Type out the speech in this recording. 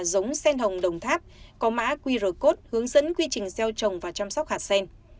giống sen hồng đồng tháp có mã qr code hướng dẫn quy trình gieo trồng và chăm sóc hạt sen